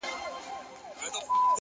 خپل ژوند له مانا ډک کړئ،